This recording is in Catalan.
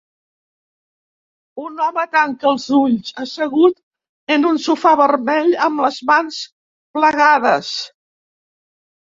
Un home tanca els ulls, assegut en un sofà vermell amb les mans plegades.